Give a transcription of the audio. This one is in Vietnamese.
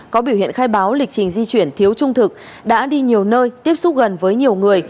có biểu hiện khai báo lịch trình di chuyển thiếu trung thực đã đi nhiều nơi tiếp xúc gần với nhiều người